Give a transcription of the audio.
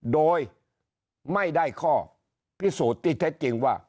โดยไม่ได้ข้อพิสูจน์ที่เท็จจริงว่า